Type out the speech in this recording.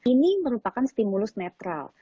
ini merupakan stimulus netral